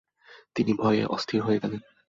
তিনি ভয়ে অস্থির হয়ে গেলেন।